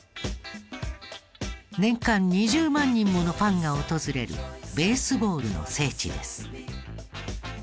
年間２０万人ものファンが訪れるベースボールの聖地です。